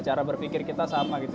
cara berpikir kita sama gitu